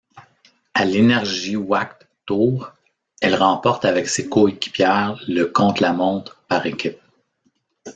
À l'Energiewacht Tour, elle remporte avec ses coéquipières le contre-la-montre par équipes.